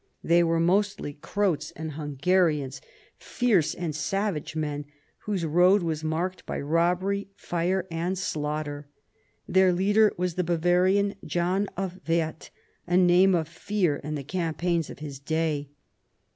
They were mostly Croats and Hungarians, fierce and savage men, whose road was marked by robbery, fire, and slaughter. Their leader was the Bavarian, John of Werth, a name of fear in the campaigns of his day.